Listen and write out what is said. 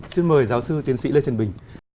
xin mời giáo sư tiến sĩ lê trần bình